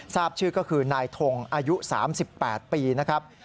ทราบชื่อก็คือนายทงอายุ๓๘ปีนะครับ